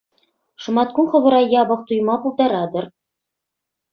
Шӑматкун хӑвӑра япӑх туйма пултаратӑр.